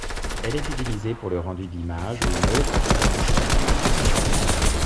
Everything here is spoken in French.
Elle est utilisée pour le rendu d'image où une haute performance est importante.